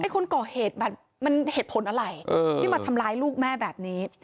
คนก่อเหตุมันเหตุผลอะไรที่มาทำร้ายลูกแม่แบบนี้